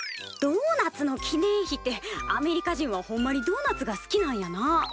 ドーナツの記念碑てアメリカ人はほんまにドーナツがすきなんやな。